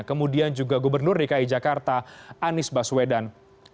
kemudian juga gubernur dki jakarta anies baswedan